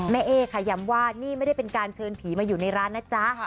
เอ๊ค่ะย้ำว่านี่ไม่ได้เป็นการเชิญผีมาอยู่ในร้านนะจ๊ะ